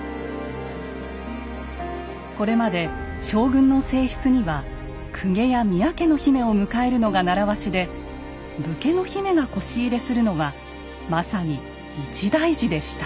これまで将軍の正室には公家や宮家の姫を迎えるのが習わしで武家の姫が輿入れするのはまさに一大事でした。